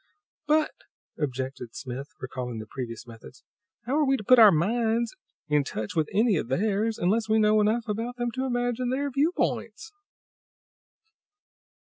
"But," objected Smith, recalling the previous methods, "how are we to put our minds in touch with any of theirs, unless we know enough about them to imagine their viewpoints?"